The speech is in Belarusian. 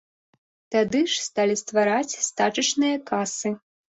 Тады ж сталі ствараць стачачныя касы.